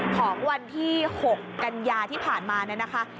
ขอวันที่๖กัญญาที่ผ่านมานะคะ